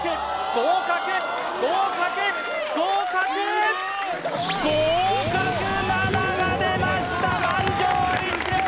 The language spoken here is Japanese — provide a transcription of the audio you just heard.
合格７が出ました！